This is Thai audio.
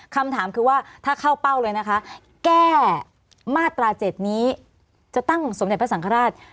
คำถามคือว่าถ้าเข้าเป้าเลยนะคะแก้มาตรา๗นี้จะตั้งสมเด็จพระสังฆราช